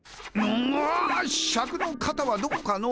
シャクの肩はどこかの？